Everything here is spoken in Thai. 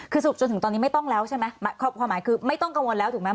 คือสรุปจนถึงตอนนี้ไม่ต้องแล้วใช่ไหมความหมายคือไม่ต้องกังวลแล้วถูกไหม